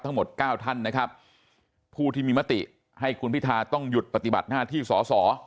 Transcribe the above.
ทั้งหมดเก้าท่านนะครับผู้ที่มีมติให้คุณพิทาต้องหยุดปฏิบัติหน้าที่สอสอ